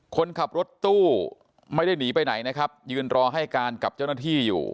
คนขับรถตู้ไม่ได้หนีไปไหนนะครับยืนรอให้การกับเจ้าหน้าที่อยู่